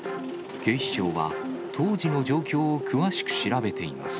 警視庁は当時の状況を詳しく調べています。